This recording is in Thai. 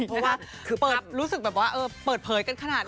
เพราะว่ารู้สึกแบบว่าเปิดเผยกันขนาดนี้